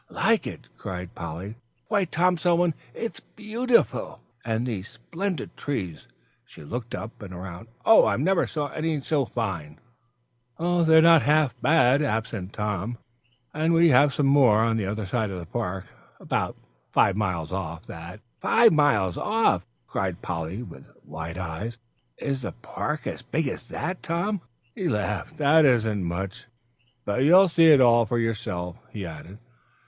"Like it!" cried Polly, "why, Tom Selwyn, it's beautiful. And these splendid trees " she looked up and around. "Oh, I never saw any so fine." "They're not half bad," assented Tom, "these oaks aren't, and we have some more, on the other end of the park, about five miles off, that " "Five miles off!" cried Polly, with wide eyes. "Is the park as big as that, Tom?" He laughed. "That isn't much. But you'll see it all for yourself," he added.